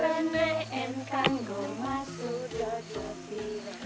pene em kanggong masu dodotiro